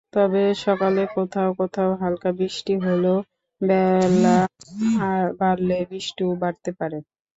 তবে সকালে কোথাও কোথাও হালকা বৃষ্টি হলেও বেলা বাড়লে বৃষ্টিও বাড়তে পারে।